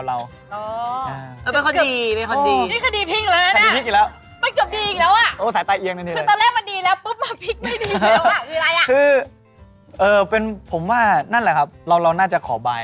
รำพังผมเป็นคนไม่ชอบคนสาย